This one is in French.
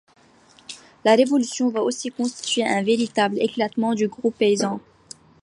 La Révolution va aussi constituer un véritable éclatement du groupe paysan.